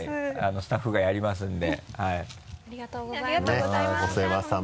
スタッフがやりますので。